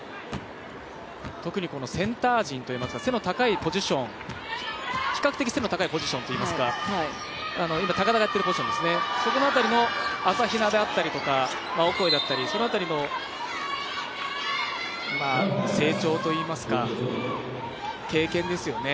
特にセンター陣といいますか、比較的、背の高いポジションといいますか今、高田がやっているポジション朝比奈であったりオコエだったりその辺りの成長といいますか経験ですよね